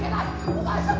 お前さん。